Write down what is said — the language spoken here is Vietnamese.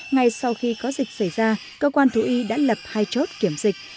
ngay sau khi có dịch xảy ra cơ quan thú y đã lập hai chốt kiểm dịch